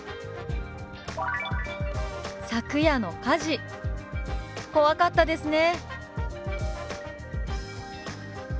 「昨夜の火事怖かったですね」。